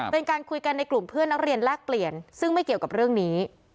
เป็นการคุยกันในกลุ่มเพื่อนนักเรียนแลกเปลี่ยนซึ่งไม่เกี่ยวกับเรื่องนี้